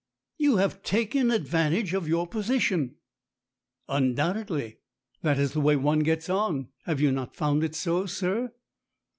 "You have taken advantage of your position." "Undoubtedly. That is the way one gets on. Have you not found it so, sir?"